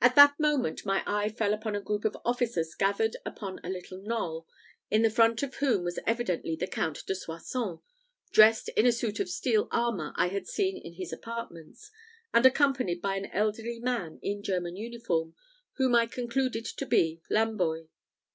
At that moment my eye fell upon a group of officers gathered upon a little knoll, in the front of whom was evidently the Count de Soissons, dressed in a suit of steel armour I had seen in his apartments, and accompanied by an elderly man in German uniform, whom I concluded to be Lamboy.